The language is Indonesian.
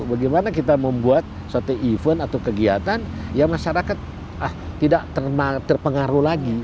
bagaimana kita membuat suatu event atau kegiatan yang masyarakat tidak terpengaruh lagi